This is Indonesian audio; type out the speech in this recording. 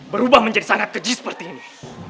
berubah menjadi sangat keji seperti ini